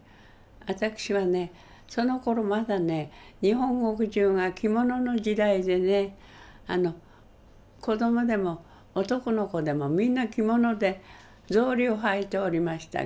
私はねそのころまだね日本国じゅうが着物の時代でね子供でも男の子でもみんな着物で草履を履いておりました。